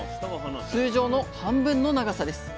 通常の半分の長さです。